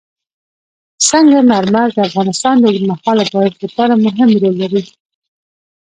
سنگ مرمر د افغانستان د اوږدمهاله پایښت لپاره مهم رول لري.